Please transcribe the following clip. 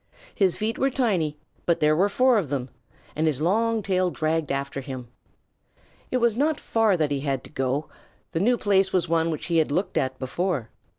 His feet were tiny, but there were four of them, and his long tail dragged after him. It was not far that he had to go. The new place was one which he had looked at before.